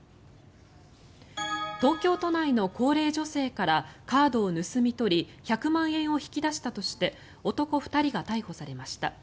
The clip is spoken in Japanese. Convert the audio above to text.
東京都内の高齢女性からカードを盗み取り１００万円を引き出したとして男２人が逮捕されました。